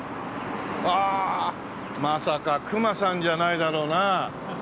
ああまさか隈さんじゃないだろうな？